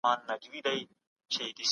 تعلیم یافته ځوانان د هېواد هیله ده.